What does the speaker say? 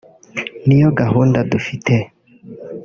ni yo gahunda dufite